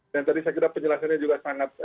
dan tadi saya kira penjelasannya juga sangat